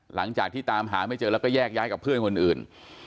หลังจากที่ตามหาไม่เจอแล้วก็แยกย้ายกับเพื่อนคนอื่น